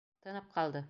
Тынып ҡалды.